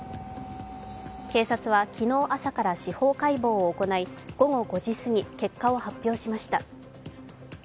警察は昨日朝から司法解剖を行い午後５時すぎ結果を発表しました。